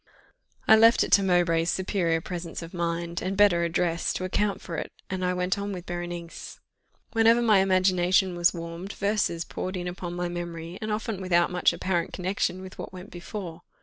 I left it to Mowbray's superior presence of mind, and better address, to account for it, and I went on with Berenice. Whenever my imagination was warmed, verses poured in upon my memory, and often without much apparent connexion with what went before.